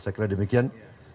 saya kira demikian